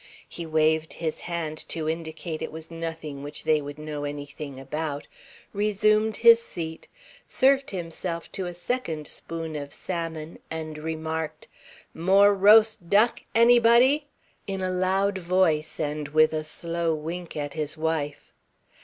He waved his hand to indicate it was nothing which they would know anything about, resumed his seat, served himself to a second spoon of salmon and remarked, "More roast duck, anybody?" in a loud voice and with a slow wink at his wife.